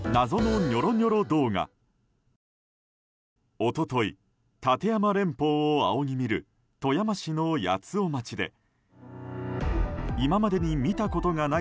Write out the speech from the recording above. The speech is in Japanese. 一昨日、立山連峰を仰ぎ見る富山市の八尾町で今までに見たことがない